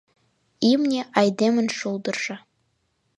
Имне — айдемын шулдыржо.